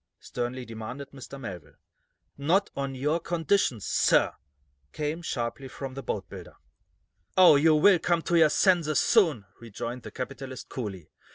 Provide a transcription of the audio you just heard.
sternly demanded Mr. Melville. "Not on your conditions, sir!" came, sharply, from the boatbuilder. "Oh, you will come to your senses, soon," rejoined the capitalist, coolly.